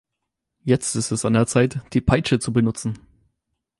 Jetzt ist es an der Zeit, die Peitsche zu benutzen.